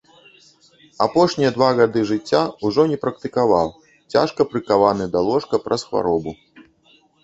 Апошнія два гады жыцця ўжо не практыкаваў, цяжка прыкаваны да ложка праз хваробу.